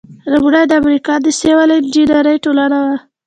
لومړۍ د امریکا د سیول انجینری ټولنه وه.